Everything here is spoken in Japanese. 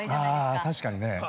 ◆あ確かにね。